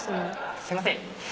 すいません。